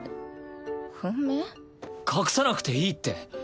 隠さなくていいって。